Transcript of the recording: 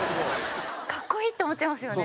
かっこいいと思っちゃいますよね。